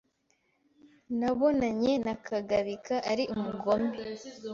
Nabonanye na Kagabika ari umugome.